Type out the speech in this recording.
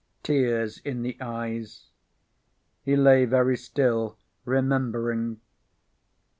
Tears in the eyes. He lay very still, remembering.